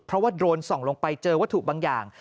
เพราะว่าโดนส่องลงไปเจอวัตถุบางอย่าง